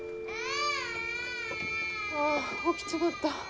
・ああ起きちまった。